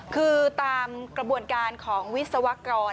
คือตามกระบวนการของวิศวกร